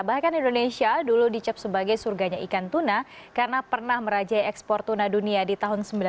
bahkan indonesia dulu dicap sebagai surganya ikan tuna karena pernah merajai ekspor tuna dunia di tahun seribu sembilan ratus sembilan puluh